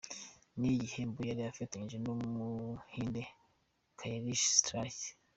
Ni igihembo yari afatanyije n’Umuhinde Kailash Satyarthi.